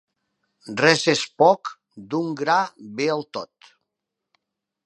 Res és poc, d'un gra ve el tot.